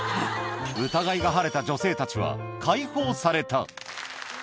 疑いが晴れた女性たちは解放された。